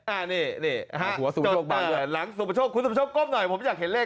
อ่านี่นี่จดหลังสมโชคคุณสมโชคก้มหน่อยผมอยากเห็นเลข